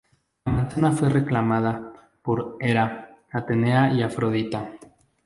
La manzana fue reclamada por Hera, Atenea y Afrodita.